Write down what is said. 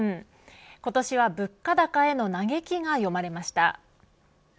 今年は物価高への嘆きが読まれました。